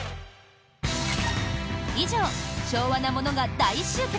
以上、昭和なものが大集結！